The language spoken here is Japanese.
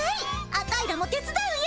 アタイらも手伝うよ。